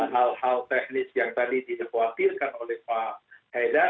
hal hal teknis yang tadi dikhawatirkan oleh pak haidar